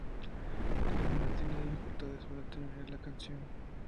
Nirvana tenía dificultades para terminar la canción.